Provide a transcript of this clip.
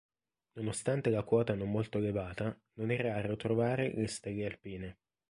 Nonostante la quota non molto elevata non è raro trovare le stelle alpine.